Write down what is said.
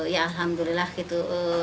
ya alhamdulillah gitu